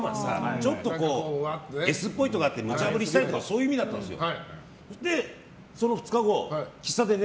ちょっとＳっぽいところがあってむちゃ振りしたりとかがあったんですよ。